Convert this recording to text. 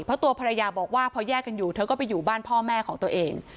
เพราะตัวภรรยาบอกว่าพอแยกกันอยู่เธอก็ไปอยู่บ้านพ่อแม่ของตัวเอง